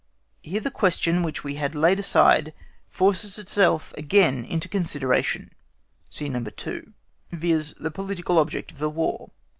Here the question which we had laid aside forces itself again into consideration (see No. 2), viz., the political object of the War.